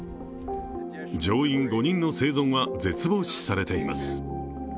乗員５人の生存は絶望視されています。